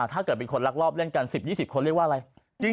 ถ้าเกิดเป็นคนลักลอบเล่นกัน๑๐๒๐คนเรียกว่าอะไร